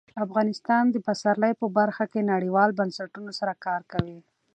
افغانستان د پسرلی په برخه کې نړیوالو بنسټونو سره کار کوي.